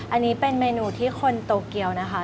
อันนี้เป็นเมนูที่คนโตเกียวนะคะ